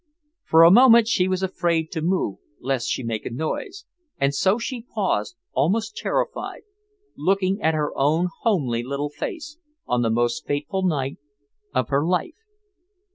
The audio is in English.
For a moment she was afraid to move lest she make a noise, and so she paused, almost terrified, looking at her own homely little face, on the most fateful night of her life.